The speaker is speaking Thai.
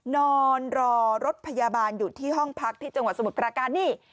นอนรอรถพยาบาลอยู่ที่ห้องพักที่จังหวัดสมุทรปราการนี่